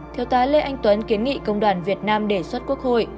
thiếu tá lê anh tuấn kiến nghị công đoàn việt nam đề xuất quốc hội